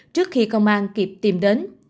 trước khi công an kịp tìm đến